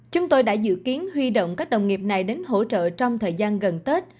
chúng tôi đã dự kiến huy động các đồng nghiệp này đến hỗ trợ trong thời gian gần tết